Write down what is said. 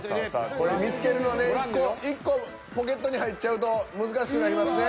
これ見つけるので１個１個ポケットに入っちゃうと難しくなりますね。